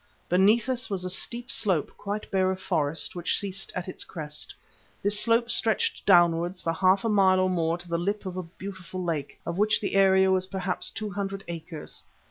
Beneath us was a steep slope quite bare of forest, which ceased at its crest. This slope stretched downwards for half a mile or more to the lip of a beautiful lake, of which the area was perhaps two hundred acres.